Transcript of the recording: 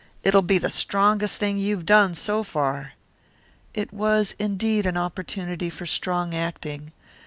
It'll be the strongest thing you've done, so far." It was indeed an opportunity for strong acting.